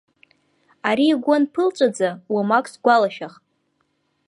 Ари игәы анԥылҵәаӡа, уамак сгәалашәахт!